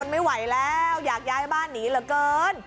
ไม่ไหวแล้วอยากย้ายบ้านหนีเหลือเกิน